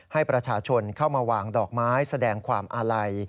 ให้ประชาชนเข้ามาวางดอกไม้แสดงความอาลัย